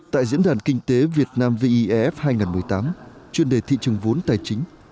tại diễn đàn kinh tế việt nam vef hai nghìn một mươi tám chuyên đề thị trường vốn tài chính